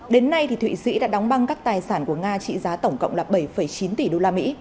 đến nay thụy sĩ đã đóng băng các tài sản của nga trị giá tổng cộng là bảy chín tỷ đô la mỹ